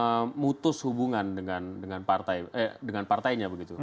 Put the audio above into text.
memutus hubungan dengan partainya begitu